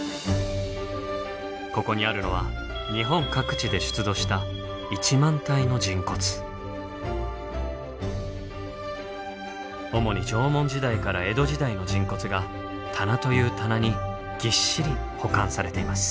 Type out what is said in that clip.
ここにあるのは日本各地で出土した主に縄文時代から江戸時代の人骨が棚という棚にぎっしり保管されています。